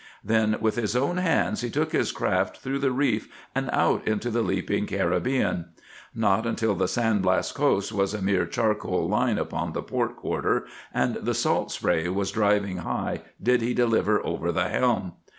Then with his own hands he took his craft through the reef and out into the leaping Caribbean. Not until the San Blas coast was a mere charcoal line upon the port quarter and the salt spray was driving high did he deliver over the helm.